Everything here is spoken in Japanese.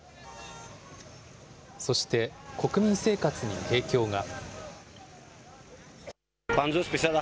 そして、国民生活に影響が。